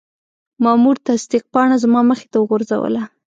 مامور تصدیق پاڼه زما مخې ته وغورځوله.